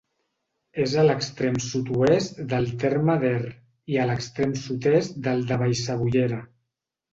És a l'extrem sud-oest del terme d'Er i a l'extrem sud-est del de Vallcebollera.